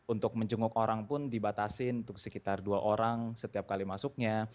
untuk menjenguk orang pun dibatasi untuk sekitar dua orang setiap kali masuknya